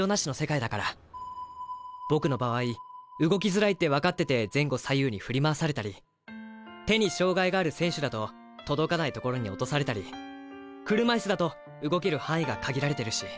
僕の場合動きづらいって分かってて前後左右に振り回されたり手に障害がある選手だと届かないところに落とされたり車椅子だと動ける範囲が限られてるし。